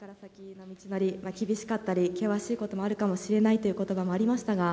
厳しかったり、険しいこともあるかもしれないということばもありましたが、